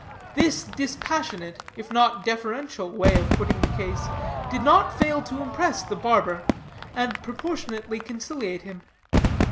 This dispassionate, if not deferential, way of putting the case, did not fail to impress the barber, and proportionately conciliate him.